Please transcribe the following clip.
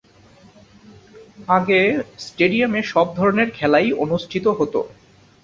আগে স্টেডিয়ামে সব ধরনের খেলাই অনুষ্ঠিত হত।